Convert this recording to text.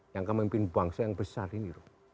yang kemimpin bangsa yang besar ini loh